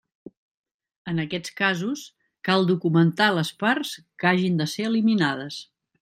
En aquests casos, cal documentar les parts que hagin de ser eliminades.